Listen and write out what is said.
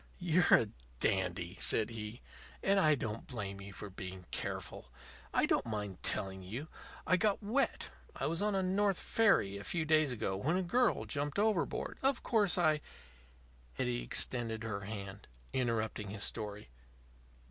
"You're a dandy," said he. "And I don't blame you for being careful. I don't mind telling you. I got wet. I was on a North River ferry a few days ago when a girl jumped overboard. Of course, I " Hetty extended her hand, interrupting his story.